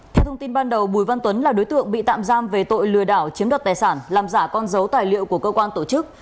theo thông tin ban đầu bùi văn tuấn là đối tượng bị tạm giam về tội lừa đảo chiếm đoạt tài sản làm giả con dấu tài liệu của cơ quan tổ chức